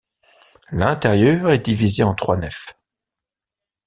L'intérieur est divisé en trois nefs.